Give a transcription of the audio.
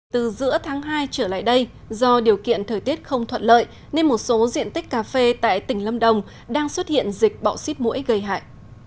từ giữa tháng hai trở lại đây do điều kiện thời tiết không thuận lợi nên một số diện tích cà phê tại tỉnh lâm đồng đang xuất hiện dịch bọ xít mũi gây hại